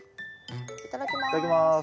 いただきます。